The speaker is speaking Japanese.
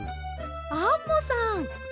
アンモさん！